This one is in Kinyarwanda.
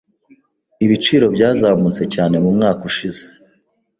Ibiciro byazamutse cyane mumwaka ushize.